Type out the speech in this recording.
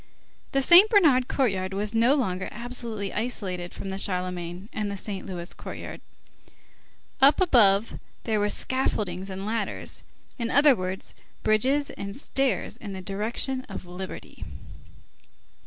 The Saint Bernard courtyard was no longer absolutely isolated from the Charlemagne and the Saint Louis courts. Up above there were scaffoldings and ladders; in other words, bridges and stairs in the direction of liberty.